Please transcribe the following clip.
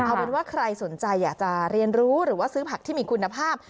เอาเป็นว่าใครสนใจอยากจะเรียนรู้หรือว่าซื้อผักที่มีคุณภาพ